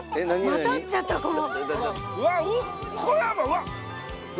また会っちゃったこの。